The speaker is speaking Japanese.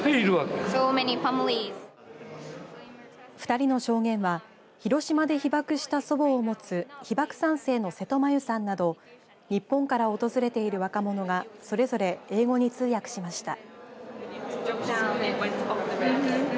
２人の証言は広島で被爆した祖母を持つ被爆３世の瀬戸麻由さんなど日本から訪れている若者がそれぞれ英語に通訳しました。